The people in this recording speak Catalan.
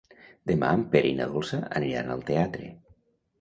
Demà en Pere i na Dolça aniran al teatre.